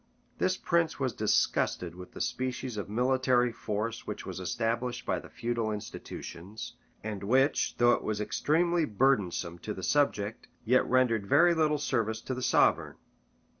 This prince was disgusted with the species of military force which was established by the feudal institutions, and which, though it was extremely burdensome to the subject, yet rendered very little service to the sovereign.